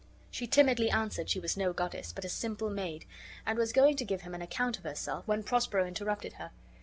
She timidly answered, she was no goddess, but a simple maid and was going to give him an account of herself, when Prospero interrupted her.